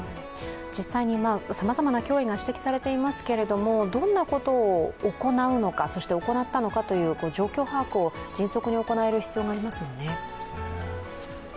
実際に、さまざまな脅威が指摘されていますけれどもどんなことを行うのか、そして行ったのかという状況把握を迅速に行える必要がありますものね。